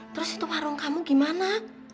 terus itu warung kamu gimana